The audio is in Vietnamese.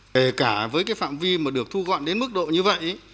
kể cả với cái phạm vi mà được thu gọn đến mức độ như vậy